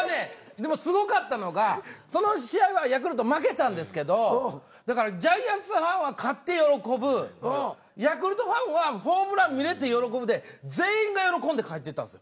でもすごかったのがその試合はヤクルト負けたんですけどだからジャイアンツファンは勝って喜ぶヤクルトファンはホームラン観れて喜ぶで全員が喜んで帰ってったんです。